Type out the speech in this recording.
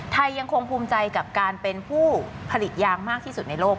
ยังคงภูมิใจกับการเป็นผู้ผลิตยางมากที่สุดในโลก